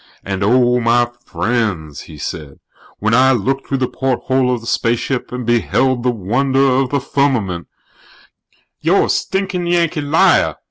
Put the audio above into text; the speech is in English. "And, oh, my friends," he said, "when I looked through the porthole of the spaceship and beheld the wonder of the Firmament " "You're a stinkin' Yankee liar!"